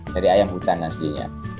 dari ayam hutan aslinya